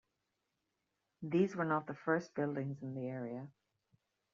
These were not the first buildings in the area.